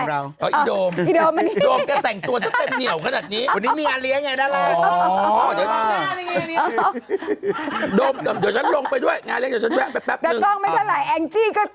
อย่าหิวน้ำนะ